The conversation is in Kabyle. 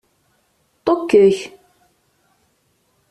Ṭukkek.